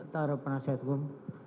taruh penasihat kum